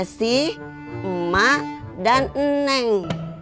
eh sih emak dan neng